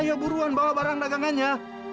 iya buruan bawa barang dagangannya